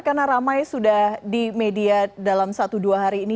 karena ramai sudah di media dalam satu dua hari ini